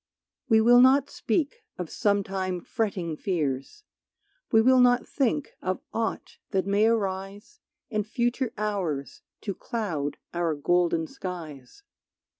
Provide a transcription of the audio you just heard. We will not speak of sometime fretting fears, We will not think of aught that may arise In future hours to cloud our golden skies.